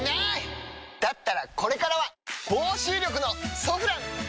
だったらこれからは防臭力の「ソフラン」！